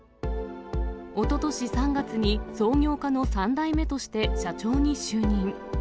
おととし３月に創業家の３代目として、社長に就任。